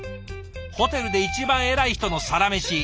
ホテルで一番偉い人のサラメシ。